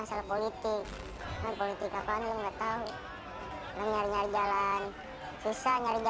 saya gak kuat gak tau tuh gedungnya